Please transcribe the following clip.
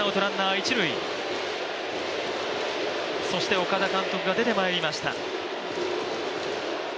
そして岡田監督が出てまいりました。